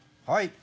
はい。